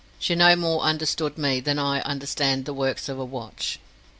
She no more understood me than I understand the works of a watch.